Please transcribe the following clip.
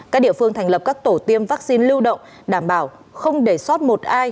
các địa phương thành lập các tổ tiêm vaccine lưu động đảm bảo không để sót một ai